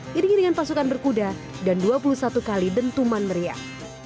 diringi dengan pasukan berkuda dan dua puluh satu kali dentuman meriah